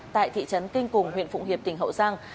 tại thị trấn kinh cùng huyện phụng hiệp tỉnh hậu giang